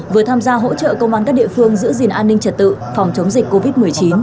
vừa tham gia hỗ trợ công an các địa phương giữ gìn an ninh trật tự phòng chống dịch covid một mươi chín